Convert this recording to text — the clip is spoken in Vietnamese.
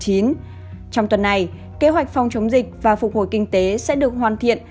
trong tuần này kế hoạch phòng chống dịch và phục hồi kinh tế sẽ được hoàn thiện